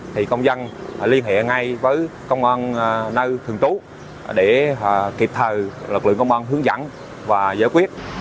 thì công dân liên hệ ngay với công an nơi thường trú để kịp thời lực lượng công an hướng dẫn và giải quyết